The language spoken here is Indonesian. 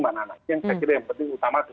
yang saya kira yang penting utama itu